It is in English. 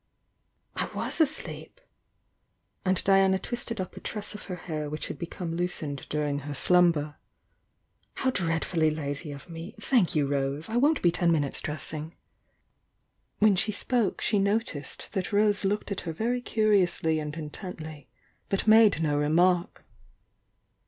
"I was asleep!" and Diana twisted up a tress of her hair which had become loosened during her slumber. "How dreadfully lazy of me! Thank you. Rose! I won't be ten minutes dressing." While she spoke she noticed that Rose looked at her very curiously and intently, but made no re mark.